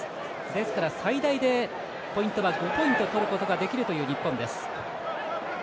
ですから最大でポイントは５ポイント取ることができるという日本です。